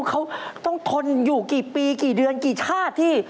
เขาต้องทนอยู่กี่ปีกี่เดือนกี่ชาติที่